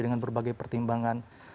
dengan berbagai pertimbangan